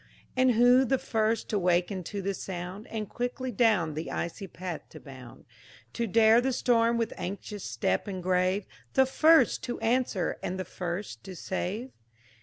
And who the first to waken to the sound, And quickly down the icy path to bound; To dare the storm with anxious step and grave, The first to answer and the first to save?